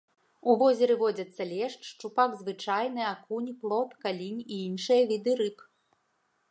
У возеры водзяцца лешч, шчупак звычайны, акунь, плотка, лінь і іншыя віды рыб.